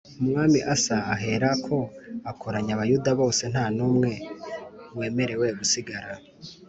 Umwami Asa aherako akoranya Abayuda bose nta n’umwe wemerewe gusigara